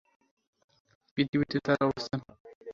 পৃথিবীতে তার অবস্থান।